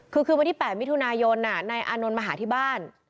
คือคืนวันที่๘มิถุนายนนายอานนท์มาหาที่บ้าน